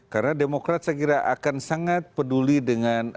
karena demokrat saya kira akan sangat peduli dengan